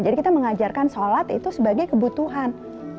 jadi kita mengajarkan sholat itu sebagai kebutuhan